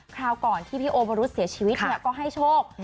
คราวก่อนที่พี่โอวรุษเสียชีวิตก็ให้โชค